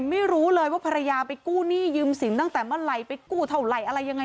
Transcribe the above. ไม่รู้เลยว่าภรรยาไปกู้หนี้ยืมสินตั้งแต่เมื่อไหร่ไปกู้เท่าไหร่อะไรยังไง